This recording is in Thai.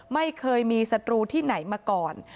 ไม่เคยมีศัตรูที่ไหนมาก่อน